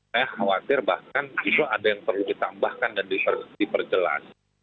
saya khawatir bahkan itu ada yang perlu ditambahkan dan diperjelas